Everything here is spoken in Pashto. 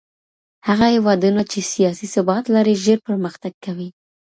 هغه هېوادونه چي سياسي ثبات لري ژر پرمختګ کوي.